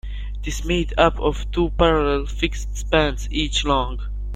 It is made up of two parallel fixed spans, each long.